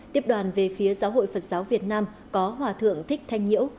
tiếp đoàn về phía giáo hội phật giáo việt nam có hòa thượng thích thanh nhiễu